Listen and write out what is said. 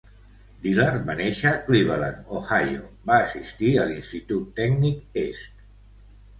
Dillard va néixer a Cleveland, Ohio, va assistir a l'Institut Tècnic Est.